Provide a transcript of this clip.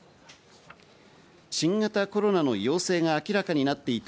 新型コロナの陽性が明らかになっていた、